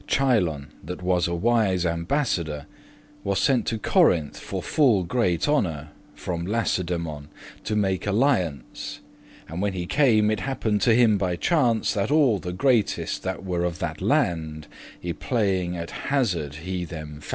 Chilon, that was a wise ambassador, Was sent to Corinth with full great honor From Lacedemon, <21> to make alliance; And when he came, it happen'd him, by chance, That all the greatest that were of that land, Y playing atte hazard he them fand.